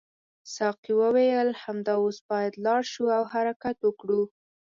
ساقي وویل همدا اوس باید لاړ شو او حرکت وکړو.